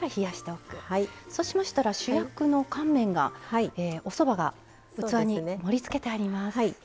そうしましたら主役の乾麺がおそばが器に盛りつけてあります。